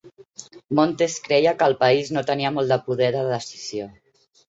Montes creia que el país no tenia molt de poder de decisió.